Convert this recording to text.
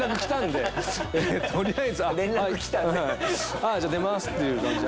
「ああじゃあ出ます」っていう感じで。